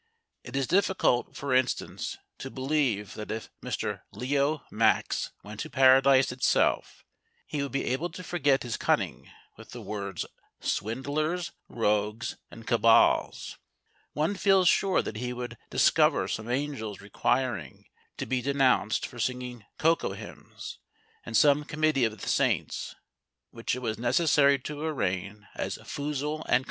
It is difficult, for instance, to believe that if Mr Leo Maxse went to Paradise itself, he would be able to forget his cunning with the words "swindlers," "rogues," and "cabals"; one feels sure that he would discover some angels requiring to be denounced for singing "cocoa" hymns, and some committee of the saints which it was necessary to arraign as Foozle & Co.